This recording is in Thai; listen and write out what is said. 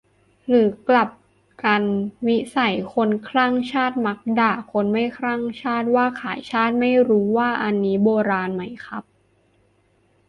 หรือกลับกัน "วิสัยคนคลั่งชาติมักด่าคนไม่คลั่งว่าขายชาติ" ? ไม่รู้ว่าอันนี้ 'โบราณ' ไหมครับ